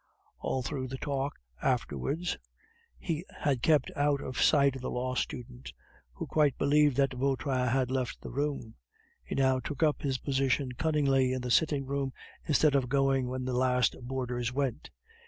All through the talk afterwards he had kept out of the sight of the law student, who quite believed that Vautrin had left the room. He now took up his position cunningly in the sitting room instead of going when the last boarders went.